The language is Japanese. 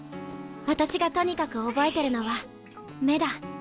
私がとにかく覚えてるのは目だ。